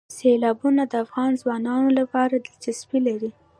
سیلابونه د افغان ځوانانو لپاره دلچسپي لري.